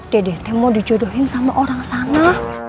dedet mau dijodohin sama orang sana